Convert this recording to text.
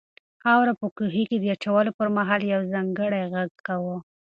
خاوره په کوهي کې د اچولو پر مهال یو ځانګړی غږ کاوه.